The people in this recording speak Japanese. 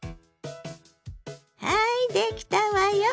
はいできたわよ。